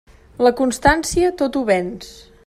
La constància tot ho venç.